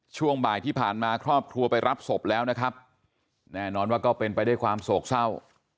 ช่วงบ่ายที่ผ่านมาครอบครัวไปรับศพแล้วนะครับแน่นอนว่าก็เป็นไปด้วยความโศกเศร้า